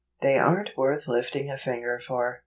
They aren't worth lifting a finger for.